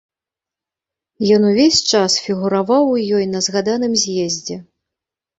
Ён увесь час фігураваў у ёй на згаданым з'ездзе.